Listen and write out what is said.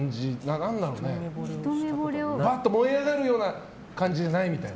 バッと燃え上がるような感じじゃないみたいな。